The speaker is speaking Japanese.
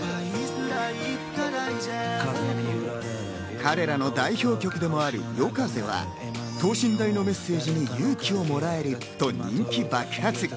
彼らの代表曲でもある『ＹＯＫＡＺＥ』は等身大のメッセージに勇気をもらえると人気爆発。